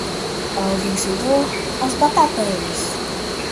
Ao vencedor, as batatas!